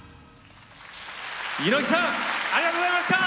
猪木さんありがとうございました！